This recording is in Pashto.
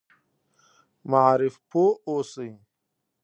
معارف پوه اوسي.